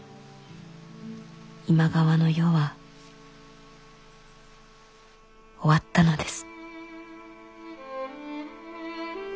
今川の世は終わったのです」。